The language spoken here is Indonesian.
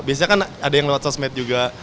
biasanya kan ada yang lewat sosmed juga